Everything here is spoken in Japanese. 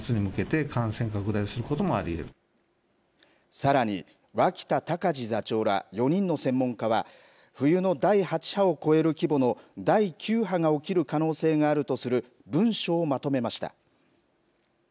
さらに、脇田隆字座長ら４人の専門家は冬の第８波を超える規模の第９波が起きる可能性があるとする文書をまとめました。